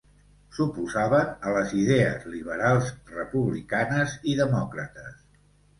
S'oposaven a les idees liberals, republicanes i demòcrates.